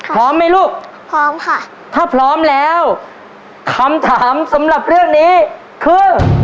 พร้อมไหมลูกพร้อมค่ะถ้าพร้อมแล้วคำถามสำหรับเรื่องนี้คือ